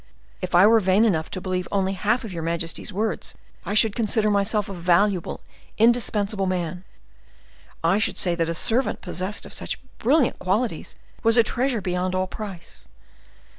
If I were vain enough to believe only half of your majesty's words, I should consider myself a valuable, indispensable man. I should say that a servant possessed of such brilliant qualities was a treasure beyond all price.